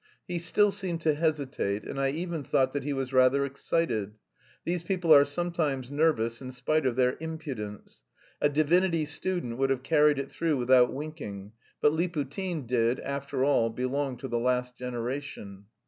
He still seemed to hesitate, and I even thought that he was rather excited. These people are sometimes nervous in spite of their impudence. A divinity student would have carried it through without winking, but Liputin did, after all, belong to the last generation.